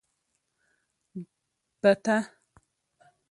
🪿بته